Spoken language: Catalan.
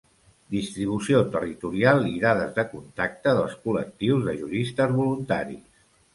Distribució territorial i dades de contacte dels col·lectius de juristes voluntaris.